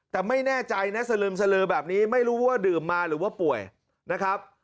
แต่ไม่แน่ใจนะสลึมสลือแบบนี้ไม่รู้ว่าดื่มมาหรือว่าป่วยนะครับ